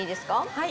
はい。